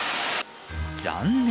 残念！